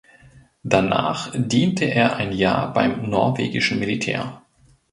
Danach diente er ein Jahr beim norwegischen Militär.